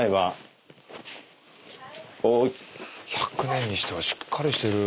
１００年にしてはしっかりしてる。